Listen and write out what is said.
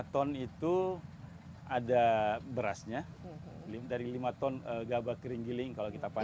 lima ton itu ada berasnya dari lima ton gabak kering kering kalau kita panen